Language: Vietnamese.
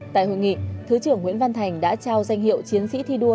tại hội nghị thứ trưởng nguyễn văn thành đã trao danh hiệu chiến sĩ thi đua